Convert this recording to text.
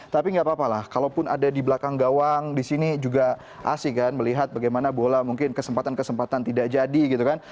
tapi nggak apa apa lah kalaupun ada di belakang gawang di sini juga asik kan melihat bagaimana bola mungkin kesempatan kesempatan tidak jadi gitu kan